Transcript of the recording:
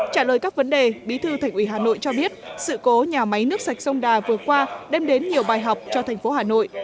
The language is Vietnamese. trả lời các vấn đề bí thư thành ủy hà nội cho biết sự cố nhà máy nước sạch sông đà vừa qua đem đến nhiều bài học cho thành phố hà nội